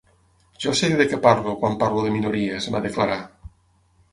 Jo sé de què parlo quan parlo de minories, va declarar.